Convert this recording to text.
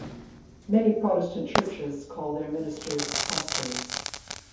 Many Protestant churches call their ministers "pastors".